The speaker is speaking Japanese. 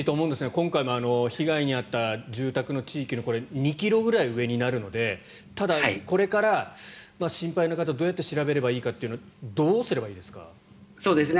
今回も被害に遭った住宅の地域の２ｋｍくらい上になるのでただ、これから心配の方はどうやって調べたらいいかというのはどうすればいいですか？